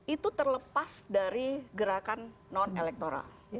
itu terlepas dari gerakan non elektoral